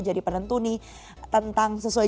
jadi penentu nih tentang sesuai